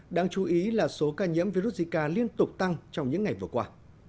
đáng chú ý là số ca nhiễm virus zika liên tục tăng trong những ngày vừa qua